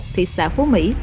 thị xã phú mỹ